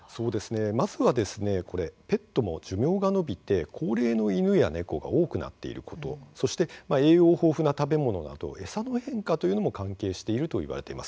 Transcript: まずは、ペットも寿命が延びて、高齢の犬や猫が多くなっていることそして栄養豊富な食べ物など餌の変化というのも関係しているといわれています。